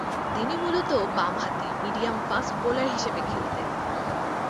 তিনি মূলতঃ বামহাতি মিডিয়াম-ফাস্ট বোলার হিসেবে খেলতেন।